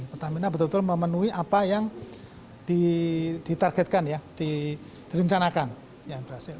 pertamina betul betul memenuhi apa yang ditargetkan ya direncanakan yang berhasil